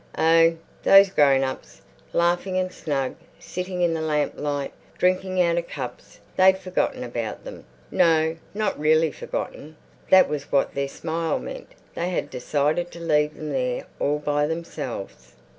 Oh, those grown ups, laughing and snug, sitting in the lamp light, drinking out of cups! They'd forgotten about them. No, not really forgotten. That was what their smile meant. They had decided to leave them there all by themselves.